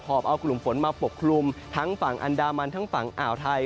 อบเอากลุ่มฝนมาปกคลุมทั้งฝั่งอันดามันทั้งฝั่งอ่าวไทย